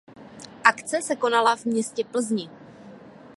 Akce se konala v městě Plzni.